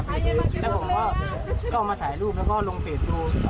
แล้วผมก็เอามาถ่ายรูปแล้วก็ลงเฟสดู